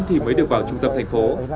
thì mới được vào trung tâm thành phố